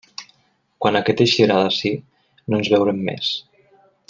Quan aquest eixirà d'ací, no ens veurem més.